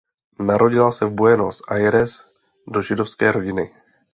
Narodila se v Buenos Aires do židovské rodiny.